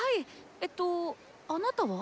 えっとあなたは？